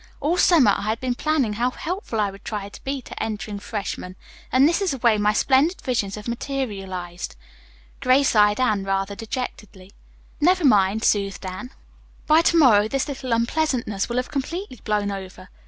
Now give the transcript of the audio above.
All summer I had been planning how helpful I would try to be to entering freshmen, and this is the way my splendid visions have materialized." Grace eyed Anne rather dejectedly. "Never mind," soothed Anne. "By to morrow this little unpleasantness will have completely blown over.